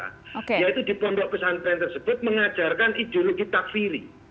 yaitu di pondok pesantren tersebut mengajarkan ideologi takfiri